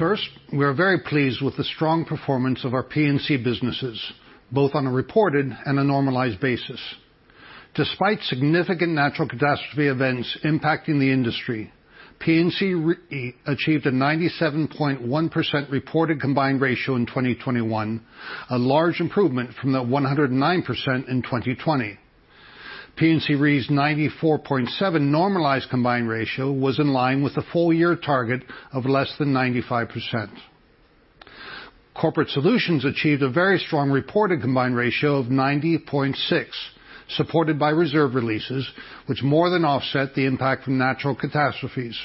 First, we are very pleased with the strong performance of our P&C businesses, both on a reported and a normalized basis. Despite significant natural catastrophe events impacting the industry, P&C Re achieved a 97.1% reported combined ratio in 2021, a large improvement from the 109% in 2020. P&C Re's 94.7 normalized combined ratio was in line with the full-year target of less than 95%. Corporate Solutions achieved a very strong reported combined ratio of 90.6, supported by reserve releases, which more than offset the impact from natural catastrophes.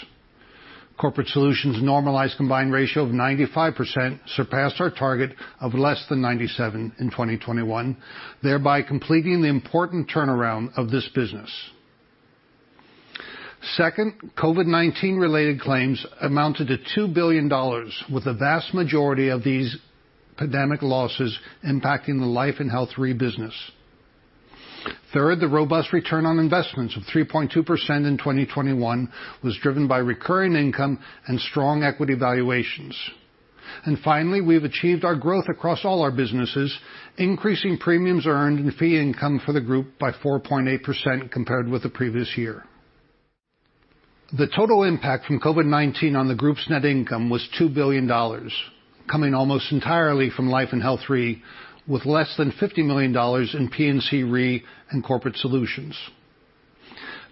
Corporate Solutions' normalized combined ratio of 95% surpassed our target of less than 97% in 2021, thereby completing the important turnaround of this business. Second, COVID-19-related claims amounted to $2 billion, with the vast majority of these pandemic losses impacting the Life & Health Re business. Third, the robust return on investments of 3.2% in 2021 was driven by recurring income and strong equity valuations. Finally, we've achieved our growth across all our businesses, increasing premiums earned and fee income for the group by 4.8% compared with the previous year. The total impact from COVID-19 on the group's net income was $2 billion, coming almost entirely from Life & Health Re, with less than $50 million in P&C Re and Corporate Solutions.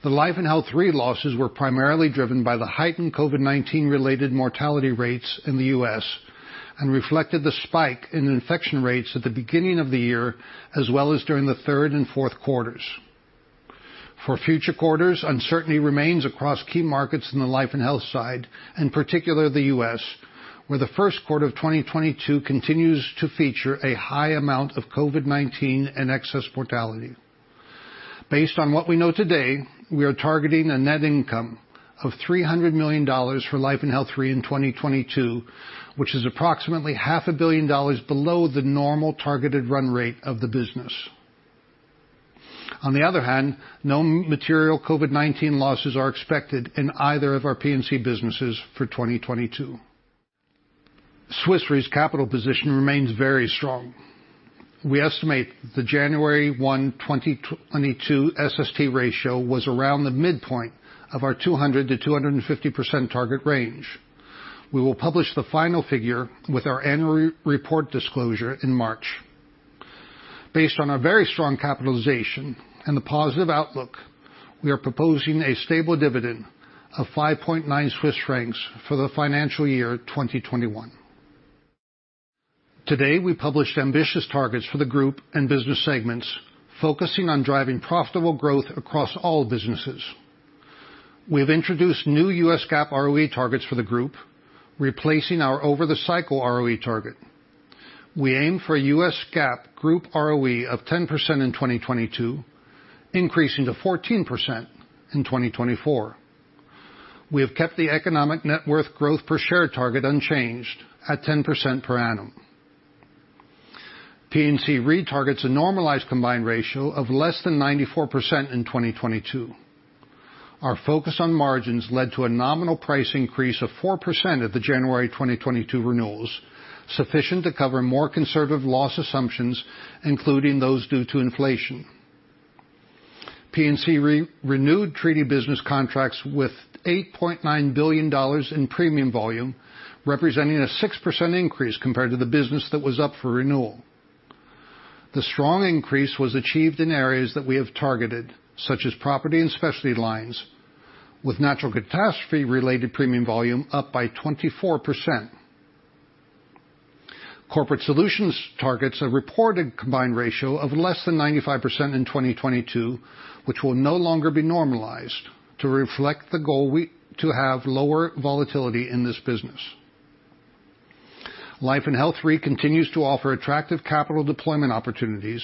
The Life & Health Re losses were primarily driven by the heightened COVID-19-related mortality rates in the U.S. and reflected the spike in infection rates at the beginning of the year as well as during the third and fourth quarters. For future quarters, uncertainty remains across key markets in the Life and Health side, in particular the U.S., where the first quarter of 2022 continues to feature a high amount of COVID-19 and excess mortality. Based on what we know today, we are targeting a net income of $300 million for Life and Health Re in 2022, which is approximately half a billion dollars below the normal targeted run rate of the business. On the other hand, no material COVID-19 losses are expected in either of our P&C businesses for 2022. Swiss Re's capital position remains very strong. We estimate the January 1, 2022, SST ratio was around the midpoint of our 200%-250% target range. We will publish the final figure with our annual report disclosure in March. Based on our very strong capitalization and the positive outlook, we are proposing a stable dividend of 5.9 Swiss francs for the financial year 2021. Today, we published ambitious targets for the group and business segments, focusing on driving profitable growth across all businesses. We have introduced new US GAAP ROE targets for the group, replacing our over-the-cycle ROE target. We aim for a U.S. GAAP group ROE of 10% in 2022, increasing to 14% in 2024. We have kept the economic net worth growth per share target unchanged at 10% per annum. P&C Re targets a normalised combined ratio of less than 94% in 2022. Our focus on margins led to a nominal price increase of 4% at the January 2022 renewals, sufficient to cover more conservative loss assumptions, including those due to inflation. P&C Re renewed treaty business contracts with $8.9 billion in premium volume, representing a 6% increase compared to the business that was up for renewal. The strong increase was achieved in areas that we have targeted, such as property and specialty lines, with natural catastrophe-related premium volume up by 24%. Corporate Solutions targets a reported combined ratio of less than 95% in 2022, which will no longer be normalized to reflect the goal to have lower volatility in this business. Life & Health Re continues to offer attractive capital deployment opportunities.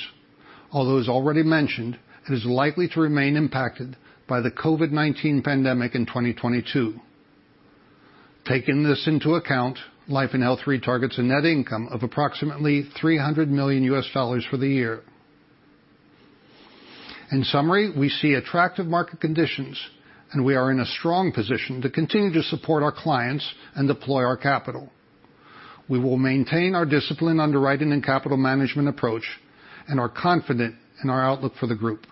Although, as already mentioned, it is likely to remain impacted by the COVID-19 pandemic in 2022. Taking this into account, Life & Health Re targets a net income of approximately $300 million for the year. In summary, we see attractive market conditions, and we are in a strong position to continue to support our clients and deploy our capital. We will maintain our discipline, underwriting, and capital management approach, and are confident in our outlook for the group.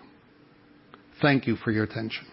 Thank you for your attention.